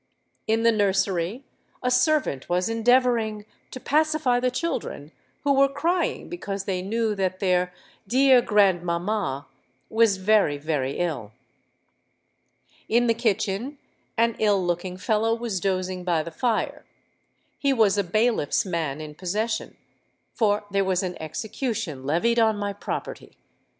In the nursery, a servant was endeavouring to pacify the children, who were crying because they knew that their 'dear grandmamma,' was very, very ill. In the kitchen an ill looking fellow was dozing by the fire:—he was a bailiff's man in possession—for there was an execution levied on my property.